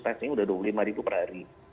testingnya udah dua puluh lima ribu per hari